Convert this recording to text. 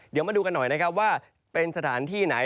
เดี๋ยวมาดูกันหน่อยนะครับว่าเป็นสถานที่ไหน